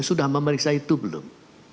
sudah memeriksa itu belum